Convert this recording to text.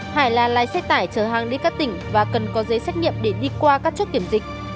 hải là lái xe tải chở hàng đi các tỉnh và cần có giấy xét nghiệm để đi qua các chốt kiểm dịch